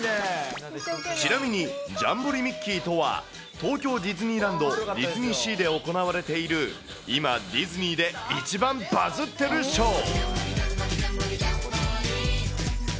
ちなみにジャンボリミッキーとは、東京ディズニーランド・ディズニーシーで行われている今、ディズニーで一番バズってるショー。